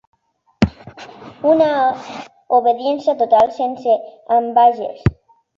Una obediència total, sense ambages.